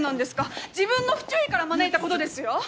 自分の不注意から招いたことですよ？